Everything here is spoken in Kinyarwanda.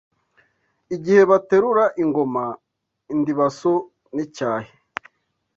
igihe baterura ingoma. Indibaso n’icyahi